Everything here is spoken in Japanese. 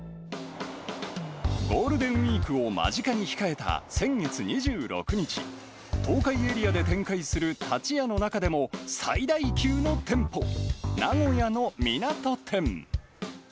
ゴールデンウィークを間近に控えた先月２６日、東海エリアで展開するタチヤの中でも、最大級の店舗、名古屋のみなと店。